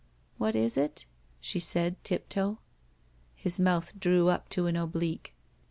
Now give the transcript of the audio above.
"What is it?" she said, tiptoe. His mouth drew up to an oblique.